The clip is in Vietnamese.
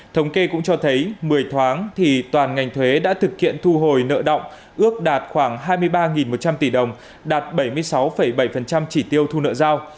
thống kê cũng cho thấy một mươi tháng thì toàn ngành thuế đã thực hiện thu hồi nợ động ước đạt khoảng hai mươi ba một trăm linh tỷ đồng đạt bảy mươi sáu bảy chỉ tiêu thu nợ giao